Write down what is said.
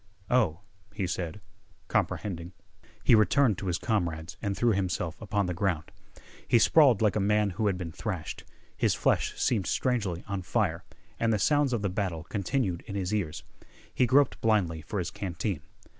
"Oh," he said, comprehending. He returned to his comrades and threw himself upon the ground. He sprawled like a man who had been thrashed. His flesh seemed strangely on fire, and the sounds of the battle continued in his ears. He groped blindly for his canteen.